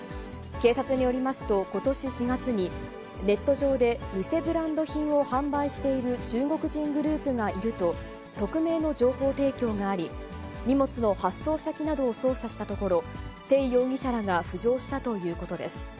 警察によりますと、ことし４月に、ネット上で偽ブランド品を販売している中国人グループがいると、匿名の情報提供があり、荷物の発送先などを捜査したところ、テイ容疑者らが浮上したということです。